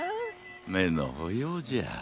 めのほようじゃ。